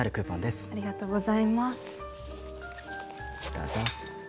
どうぞ。